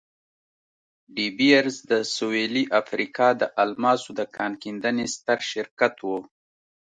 ډي بیرز د سوېلي افریقا د الماسو د کان کیندنې ستر شرکت وو.